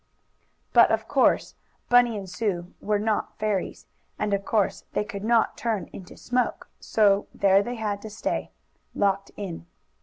But of course Bunny and Sue were not fairies, and of course they could not turn into smoke, so there they had to stay, locked in.